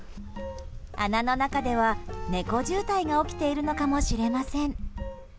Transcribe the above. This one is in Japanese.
穴の中では、猫渋滞が起きているのかもしれません。